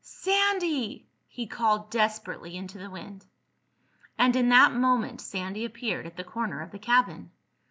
Sandy!" he called desperately into the wind. And in that moment Sandy appeared at the corner of the cabin.